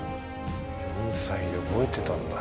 ４歳で覚えてたんだ。